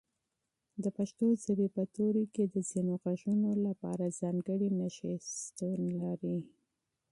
د پښتو ژبې په توري کې د ځینو غږونو لپاره ځانګړي نښې شتون لري.